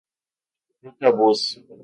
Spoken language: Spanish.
Ruta Bus